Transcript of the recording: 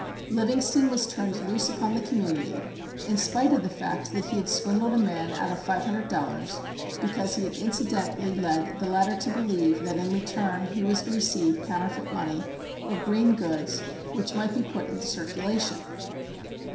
Livingston was turned loose upon the community in spite of the fact that he had swindled a man out of $500 because he had incidentally led the latter to believe that in return he was to receive counterfeit money or "green goods," which might be put into circulation.